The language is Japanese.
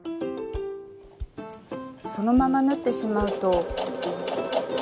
そのまま縫ってしまうと。